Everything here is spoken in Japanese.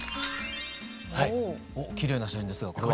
おっきれいな写真ですがこれは？